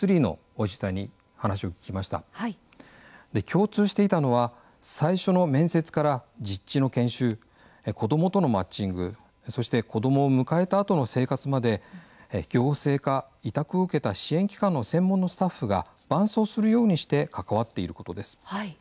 共通していたのは最初の面接から実地の研修子どもとのマッチングそして子どもを迎えたあとの生活まで行政か委託を受けた支援機関の専門のスタッフが伴走するようにして関わっていることです。